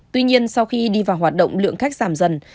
tuy nhiên sau khi đi vào hoạt động lượng khách giảm dần